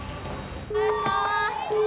お願いします